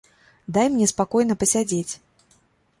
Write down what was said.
Дай мне спакойна пасядзець.